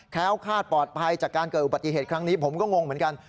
้วคาดปลอดภัยจากการเกิดอุบัติเหตุครั้งนี้ผมก็งงเหมือนกัน